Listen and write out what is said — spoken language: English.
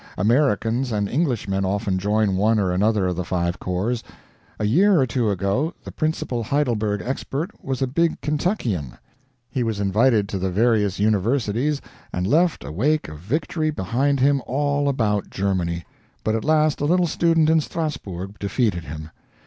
Americans and Englishmen often join one or another of the five corps. A year or two ago, the principal Heidelberg expert was a big Kentuckian; he was invited to the various universities and left a wake of victory behind him all about Germany; but at last a little student in Strasburg defeated him.